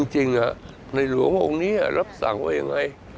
จริงในหลวงพวกนี้รับสั่งว่าอย่างไร